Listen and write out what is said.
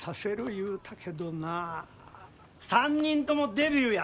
言うたけどな３人ともデビューや！